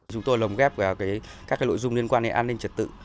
chúng tôi lồng ghép vào các nội dung liên quan đến an ninh trật tự